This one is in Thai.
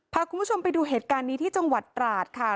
พาคุณผู้ชมไปดูเหตุการณ์นี้ที่จังหวัดตราดค่ะ